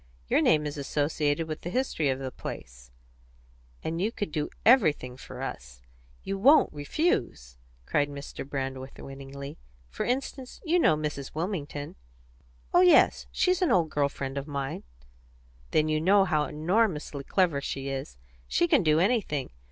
Your name is associated with the history of the place, and you could do everything for us. You won't refuse!" cried Mr. Brandreth winningly. "For instance, you know Mrs. Wilmington." "Oh yes; she's an old girl friend of mine." "Then you know how enormously clever she is. She can do anything.